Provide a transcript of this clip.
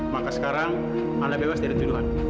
maka sekarang anda bebas dari tuduhan